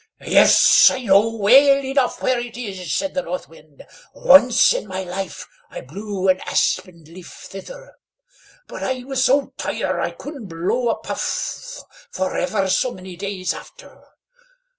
"YES, I KNOW WELL ENOUGH WHERE IT IS," said the North Wind; "once in my life I blew an aspen leaf thither, but, I was so tired I couldn't blow a puff for ever so many days, after.